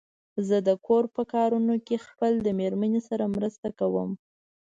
زه د کور په کارونو کې خپل د مېرمن سره مرسته کوم.